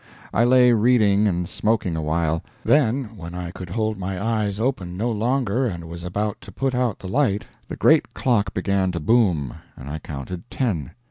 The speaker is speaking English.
I lay reading and smoking awhile; then, when I could hold my eyes open no longer and was about to put out the light, the great clock began to boom, and I counted ten.